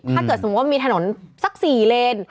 ถ้าเกิดสมมุติว่ามีถนนสัก๔เลน